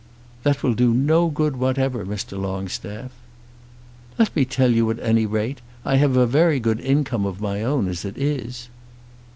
"That will do no good whatever, Mr. Longstaff." "Let me tell you at any rate. I have a very good income of my own as it is."